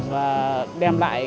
và đem lại